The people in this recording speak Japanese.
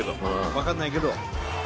分かんないけど。